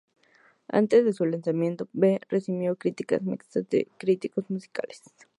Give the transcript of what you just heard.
Antes de su lanzamiento, "V" recibió críticas mixtas de los críticos musicales.